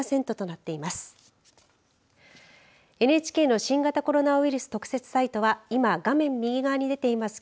ＮＨＫの新型コロナウイルス特設サイトは今、画面右側に出ています